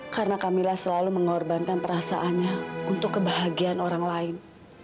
karena kamila selalu mengorbankan perasaannya untuk kebahagiaan orang lain